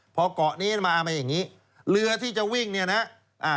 พอเกาะนี้มาเอามาอย่างงี้เรือที่จะวิ่งเนี่ยนะอ่า